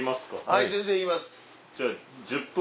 はい全然行きます。